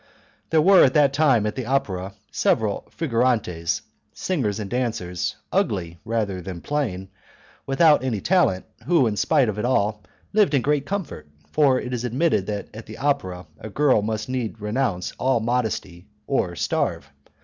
There were, at that time at the opera, several figurantes, singers and dancers, ugly rather than plain, without any talent, who, in spite of it all, lived in great comfort; for it is admitted that at the opera a girl must needs renounce all modesty or starve.